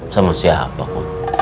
sama siapa kum